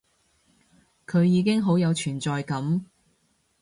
佢已經好有存在感